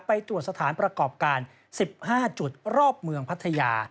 ไปตรวจสถานประกอบการ๑๕จุดรอบเมืองพัทยา